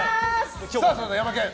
それではヤマケン。